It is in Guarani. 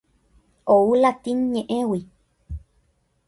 Ou latín ñe'ẽgui.